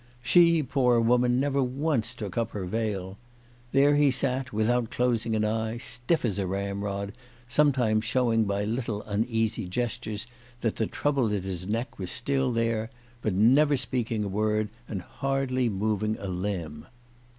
She, poor woman, never once took up her veil. There he sat, without closing an eye, stiff as a ramrod, sometimes showing by little uneasy gestures that the trouble at his neck was still there, but never speaking a word, and hardly moving a limb.